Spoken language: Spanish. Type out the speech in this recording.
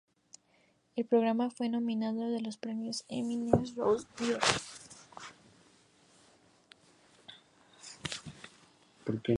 El programa fue nominado a los premios Emmy y Nesbitt a los Rose D'or.